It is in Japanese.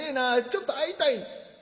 ちょっと会いたい」。